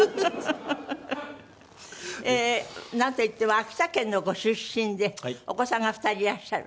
なんといっても秋田県のご出身でお子さんが２人いらっしゃる。